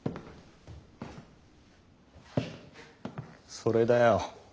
それだよ。